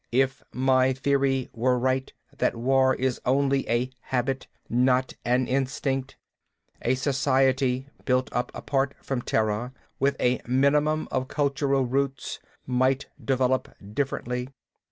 If my theory were right that war is only a habit, not an instinct, a society built up apart from Terra with a minimum of cultural roots might develop differently.